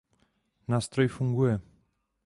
Nástroj funguje.